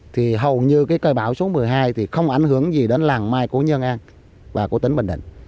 thì hầu như cây bão số một mươi hai không ảnh hưởng gì đến làng mai của nhân an và tỉnh bình định